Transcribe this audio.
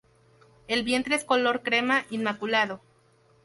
El vientre es color crema inmaculado.